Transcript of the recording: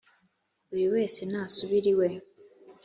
buri wese nasubire iwe